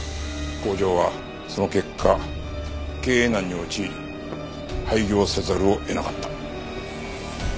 工場はその結果経営難に陥り廃業せざるを得なかった。